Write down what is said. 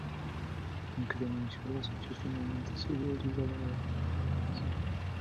Aunque denunció los hechos, finalmente se vio obligada a abandonar el país.